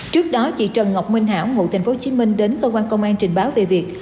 trước đó chị trần ngọc minh hảo ngụ tp hcm đến cơ quan công an trình báo về việc